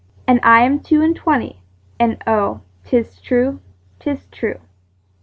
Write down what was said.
'And I am two and twenty, And oh, 'tis true, 'tis true.